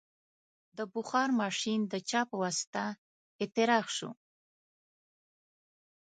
د بخار ماشین د چا په واسطه اختراع شو؟